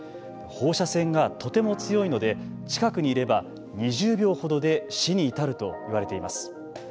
放射線がとても強いので近くにいれば２０秒ほどで死に至ると言われています。